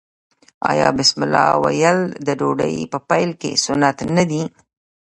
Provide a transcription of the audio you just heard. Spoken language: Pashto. آیا بسم الله ویل د ډوډۍ په پیل کې سنت نه دي؟